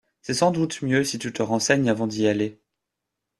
C'est sans doute mieux si tu te renseignes avant d'y aller.